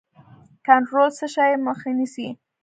کنټرول د څه شي مخه نیسي؟